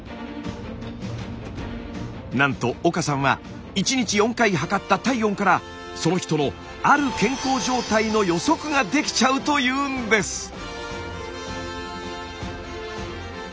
なんと岡さんは１日４回測った体温からその人のある健康状態の予測ができちゃうというんです！